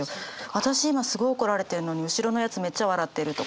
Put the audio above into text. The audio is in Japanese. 私今すごい怒られてるのに後ろのやつめっちゃ笑ってるとか。